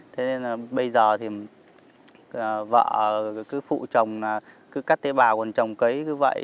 thế nên là bây giờ thì vợ cứ phụ chồng cứ cắt tế bào còn chồng cấy cứ vậy